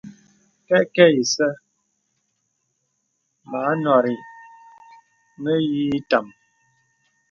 Kɛkɛ̄ isɛ̂ mə anɔ̀rì mə̀yìì ìtām.